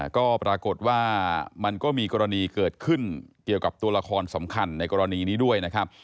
ก็ปรากฏว่ามันก็มีกรณีเกิดขึ้นเกี่ยวกับตัวละครสำคัญในกรณีนี้ด้วยนะครับ